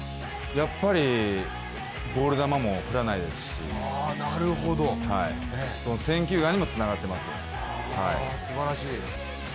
やっぱりボール球も振らないですし、選球眼にもつながってます。